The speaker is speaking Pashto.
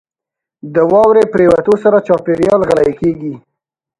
• د واورې پرېوتو سره چاپېریال غلی کېږي.